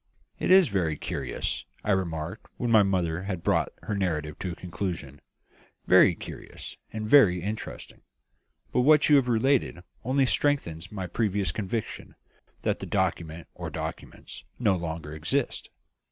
"It is very curious," I remarked, when my mother had brought her narrative to a conclusion "very curious, and very interesting. But what you have related only strengthens my previous conviction, that the document or documents no longer exist.